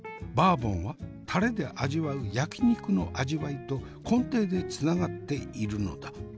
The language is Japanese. バーボンはタレで味わう焼肉の味わいと根底でつながっているのだ。